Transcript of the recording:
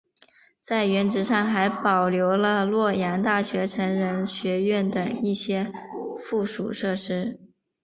在原址上还保留了洛阳大学成人学院等一些附属设施。